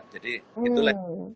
jadi itu lain